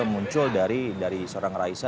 muncul dari seorang raisa